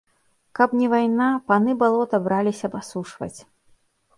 Каб не вайна, паны балота браліся б асушваць.